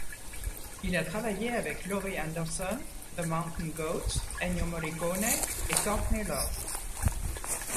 Il a travaillé avec Laurie Anderson, The Mountain Goats, Ennio Morricone et Courtney Love.